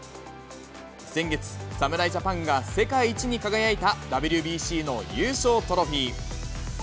先月、侍ジャパンが世界一に輝いたＷＢＣの優勝トロフィー。